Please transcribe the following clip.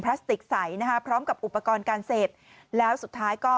สติกใสนะคะพร้อมกับอุปกรณ์การเสพแล้วสุดท้ายก็